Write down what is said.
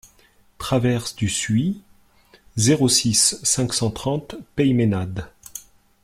Traverse du Suye, zéro six, cinq cent trente Peymeinade